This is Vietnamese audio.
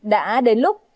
đã đến lúc